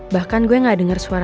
bahkan gue gak denger suara